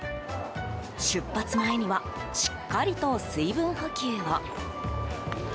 出発前にはしっかりと水分補給を。